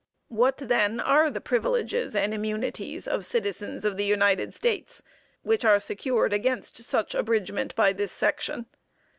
What, then, are the "privileges and immunities of citizens of the United States" which are secured against such abridgement, by this section?